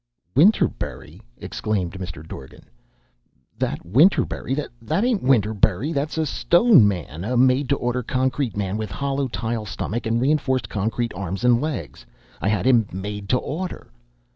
'" "Winterberry?" exclaimed Mr. Dorgan. "That Winterberry? That ain't Winterberry! That's a stone man, a made to order concrete man, with hollow tile stomach and reinforced concrete arms and legs. I had him made to order."